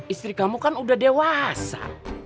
istri kamu kan udah dewasa